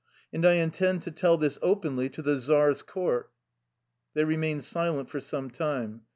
And I intend to tell this openly to the czar's court." They remained silent for some time.